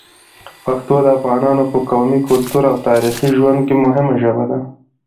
پښتو د افغانانو په قومي، کلتوري او تاریخي ژوند کې مهمه ژبه ده.